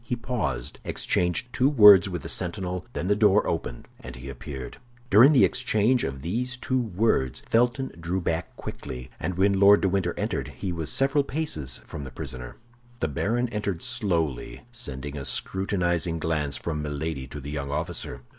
He paused, exchanged two words with the sentinel; then the door opened, and he appeared. During the exchange of these two words Felton drew back quickly, and when Lord de Winter entered, he was several paces from the prisoner. The baron entered slowly, sending a scrutinizing glance from Milady to the young officer.